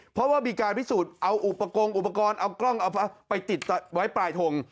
เพราะว่ามีการพิสูจน์เอาอุปกรณ์อุปกรณ์เอากล้องเอาไปติดไว้ปลายทง